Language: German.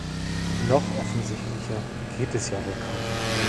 Noch offensichtlicher geht es ja wohl kaum.